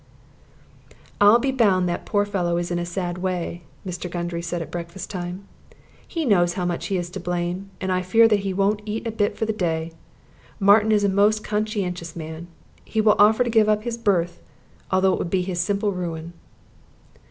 "I'll be bound that poor fellow is in a sad way," Mr. Gundry said at breakfast time. "He knows how much he is to blame, and I fear that he won't eat a bit for the day. Martin is a most conscientious man. He will offer to give up his berth, although it would be his simple ruin."